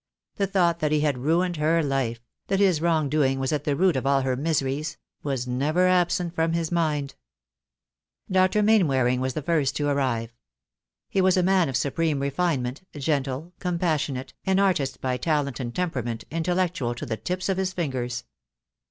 The thought that he had ruined her life — that his wrong doing was at the root of all her miseries — was never absent from his mind. Dr. Main waring was the first to arrive. He was a man of supreme refinement, gentle, compassionate, an artist by talent and temperament, intellectual to the tips of his fingers.